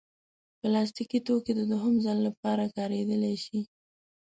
پلاستيکي توکي د دوهم ځل لپاره کارېدلی شي.